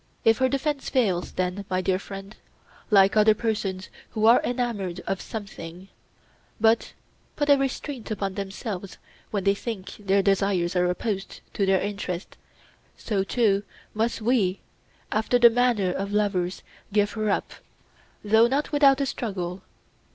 If her defence fails, then, my dear friend, like other persons who are enamoured of something, but put a restraint upon themselves when they think their desires are opposed to their interests, so too must we after the manner of lovers give her up, though not without a struggle.